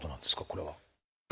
これは。